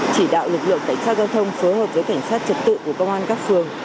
chỉ đạo lực lượng cảnh sát giao thông phối hợp với cảnh sát trật tự của công an các phường